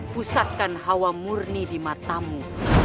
pusatkan hawa murni di matamu